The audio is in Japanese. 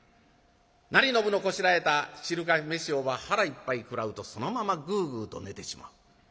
成信のこしらえた汁かけ飯をば腹いっぱい食らうとそのままぐうぐうと寝てしまう。